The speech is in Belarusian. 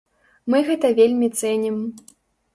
Мы гэта вельмі цэнім.